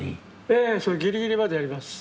ええギリギリまでやります。